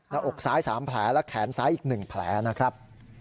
หน้าอกซ้าย๓แผลและแขนซ้ายอีก๑แผลนะครับ